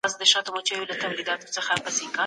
ما په دغه کتاب کي د شکر او مننې توپیر ولوستی.